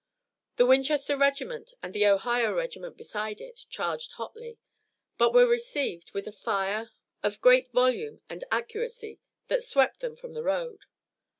The Winchester regiment and the Ohio regiment beside it charged hotly, but were received with a fire of great volume and accuracy that swept them from the road.